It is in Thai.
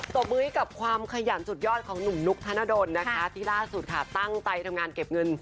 บมือให้กับความขยันสุดยอดของหนุ่มนุกธนดลนะคะที่ล่าสุดค่ะตั้งใจทำงานเก็บเงิน